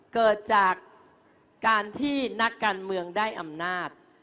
เกิดจากการที่นักการเมืองได้อำนาจ